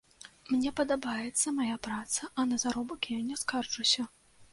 Мне падабаецца мая праца, а на заробак я не скарджуся.